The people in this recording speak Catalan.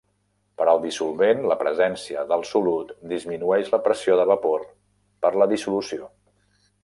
Per al dissolvent, la presència del solut disminueix la pressió de vapor per la dissolució.